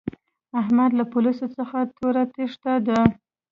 احمد له پوليسو څخه توره تېښته ده.